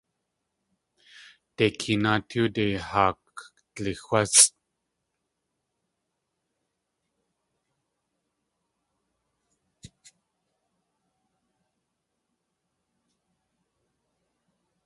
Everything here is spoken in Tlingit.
Deikeenaa tóode haa kdlixwásʼ.